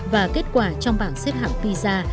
và kết quả trong bảng xếp hạng pisa